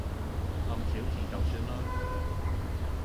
咁小事就算啦